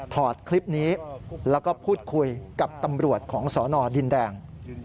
ถอดคลิปนี้แล้วก็พูดคุยกับตำรวจของสนดินแดง